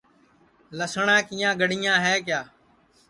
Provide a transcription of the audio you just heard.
لسٹؔا کیاں گڑیاں ہے کیا